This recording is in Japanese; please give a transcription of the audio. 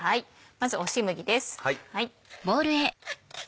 まず押し麦です。